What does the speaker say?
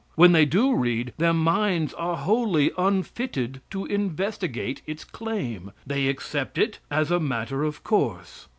When they do read, their minds are wholly unfitted to investigate its claim. They accept it as a matter of course.